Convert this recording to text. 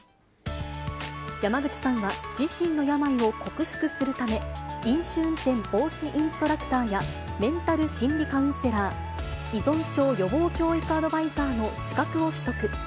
山口さんは自身の病を克服するため、飲酒運転防止インストラクターやメンタル心理カウンセラー、依存症予防教育アドバイザーの資格を取得。